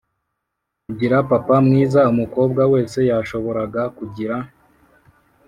kugira papa mwiza umukobwa wese yashoboraga kugira.